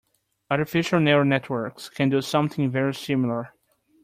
Artificial neural networks can do something very similar.